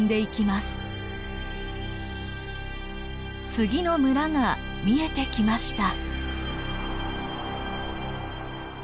次の村が見えてきました。